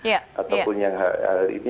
ataupun yang hal ini